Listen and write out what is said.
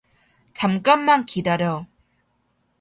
잠깐만 기다려.